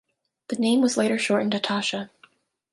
The name was later shortened to Tasha.